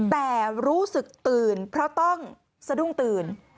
แต่รู้สึกตื่นเพราะต้องสะดุ้งตื่น